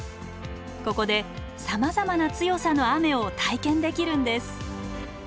ここでさまざまな強さの雨を体験できるんです。